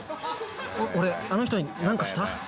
俺あの人に何かした？